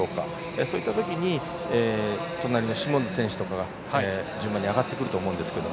そういったときに隣のシモンズ選手とかが上がってくると思いますが。